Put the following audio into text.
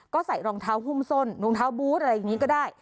ก็ใส่รองเท้าหุ้มส้นรองเท้าบูธอะไรอย่างนี้ก็ได้